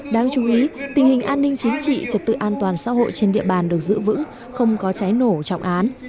đáng chú ý tình hình an ninh chính trị trật tự an toàn xã hội trên địa bàn được giữ vững không có trái nổ trọng án